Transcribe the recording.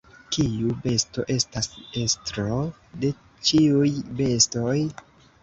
Kiu besto estas estro de ĉiuj bestoj?